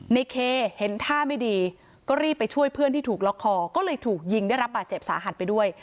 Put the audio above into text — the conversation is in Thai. ในเคเห็นท่าไม่ดีก็รีบไปช่วยเพื่อนที่ถูกล็อกคอก็เลยถูกยิงได้รับบาดเจ็บสาหัสไปด้วย